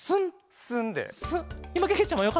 スン！